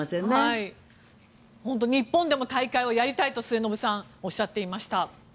末延さん、日本でも大会をやりたいとおっしゃっていました。